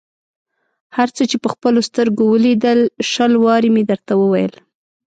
هر څه یې په خپلو سترګو ولیدل، شل وارې مې درته وویل.